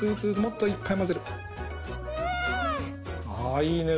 あいいね。